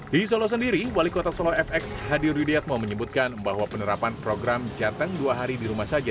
di solo sendiri wali kota solo fx hadir yudiatmo menyebutkan bahwa penerapan program jateng dua hari di rumah saja